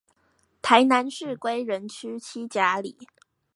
臺南市歸仁區七甲里